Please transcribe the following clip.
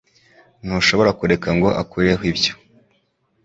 Ntushobora kureka ngo akureho ibyo